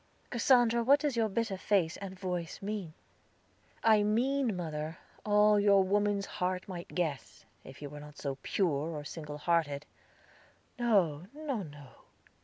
"Cassandra, what does your bitter face and voice mean?" "I mean, mother, all your woman's heart might guess, if you were not so pure, so single hearted." "No, no, no."